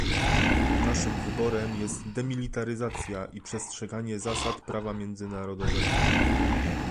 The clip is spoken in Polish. Naszym wyborem jest demilitaryzacja i przestrzeganie zasad prawa międzynarodowego